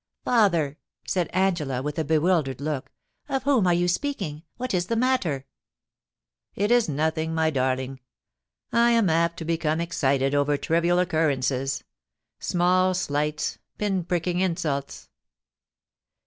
* Father !' said Angela, with a bewildered look, * of whom are you speaking ? What is the matter ?*' It is nothing, my darling. I am apt to become excited over trivial occurrences — small slights— pinpricking insults. 28o POUCY AND PASSION.